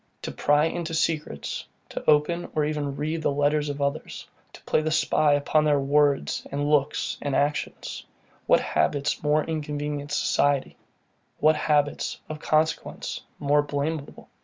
To pry into secrets, to open or even read the letters of others, to play the spy upon their words and looks and actions; what habits more inconvenient in society? What habits, of consequence, more blameable?